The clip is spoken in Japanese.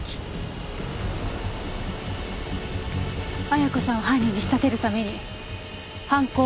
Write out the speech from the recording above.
亜矢子さんを犯人に仕立てるために犯行